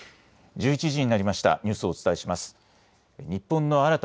１１時になりました。